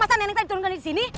masa nenek saya diturunkan disini